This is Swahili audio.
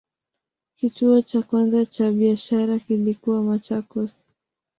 Kituo cha kwanza cha biashara kilikuwa Machakos.